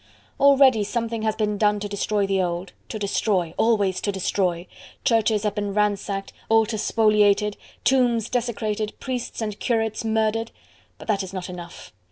Already something has been done to destroy the old! To destroy! always to destroy! Churches have been ransacked, altars spoliated, tombs desecrated, priests and curates murdered; but that is not enough.